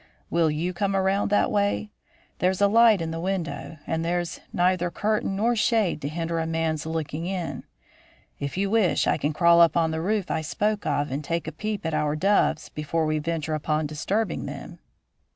Will you come around that way? There's a light in the window and there's neither curtain nor shade to hinder a man's looking in. If you wish, I can crawl up on the roof I spoke of and take a peep at our doves before we venture upon disturbing them."